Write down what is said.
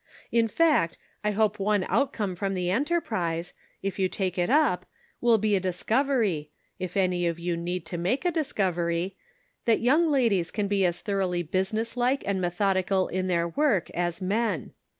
In fact, I hope one outcome from the enter prise, if you take it up, will be a discovery — if any of you need to make a discovery — that young ladies can be as thoroughly business like and methodical in their work as men.